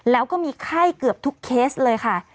แล้วก็มีไข้เกือบทุกเคสเลยค่ะ